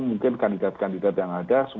mungkin kandidat kandidat yang ada